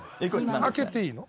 開けていいの？